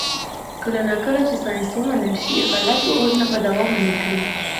کله نا کله چې ساینس ومنل شي، غلط باورونه به دوام ونه کړي.